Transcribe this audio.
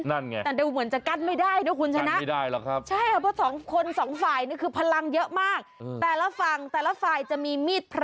นั่นไง